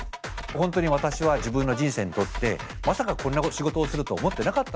本当に私は自分の人生にとってまさかこんな仕事をすると思ってなかったんですね。